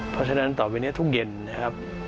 เพราะฉะนั้นต่อไปนี้ทุกเย็นนะครับ